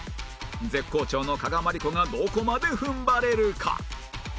絶好調の加賀まりこがどこまで踏ん張れるか！？